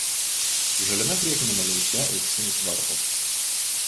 Žaliame priekiniame lauke auksinis varpas.